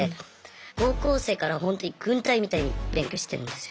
高校生からほんとに軍隊みたいに勉強してるんですよ。